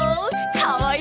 かわいい！